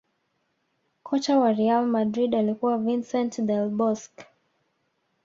Kocha wa real madrid alikuwa Vincent Del Bosque